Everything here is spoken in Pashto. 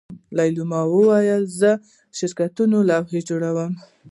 ویلما وویل زه د شرکتونو لوحې جوړوم